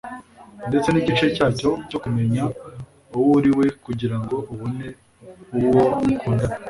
ndetse n'igice cyacyo cyo kumenya uwo uri we kugira ngo ubone uwo mukundana